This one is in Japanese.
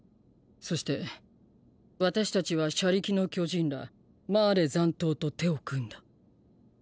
そして私たちは車力の巨人らマーレ残党と手を組んだ。